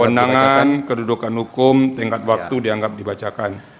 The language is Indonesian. pandangan kedudukan hukum tingkat waktu dianggap dibacakan